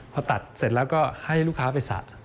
พอตัดเสร็จแล้วก็ให้ลูกค้าไปสระ